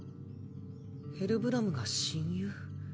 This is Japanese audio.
ヘルブラムが親友？